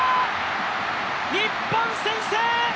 日本、先制！